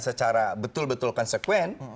secara betul betul konsekuen